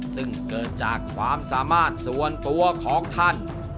ซึ่งเกิดจากความสามารถส่วนตัวของท่าน